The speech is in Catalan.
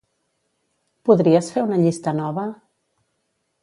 Podries fer una llista nova?